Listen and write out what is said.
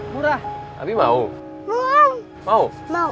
murah mau mau mau